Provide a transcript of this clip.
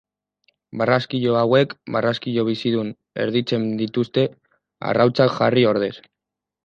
Barraskilo hauek barraskilo bizidun erditzen dituzte arrautzak jarri ordez.